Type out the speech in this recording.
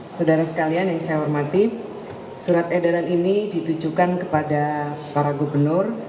saudara sekalian yang saya hormati surat edaran ini ditujukan kepada para gubernur